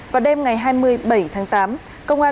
và đêm ngày hai mươi bảy tháng tám